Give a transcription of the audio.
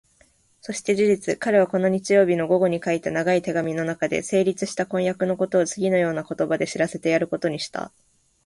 そして事実、彼はこの日曜日の午前に書いた長い手紙のなかで、成立した婚約のことをつぎのような言葉で知らせてやることにした。